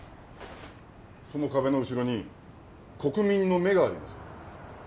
その壁の後ろに国民の目があります。